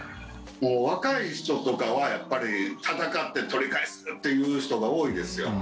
若い人とかは、戦って取り返す！という人が多いですよ。